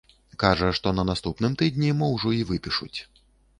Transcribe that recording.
Кажа, што на наступным тыдні мо ўжо і выпішуць.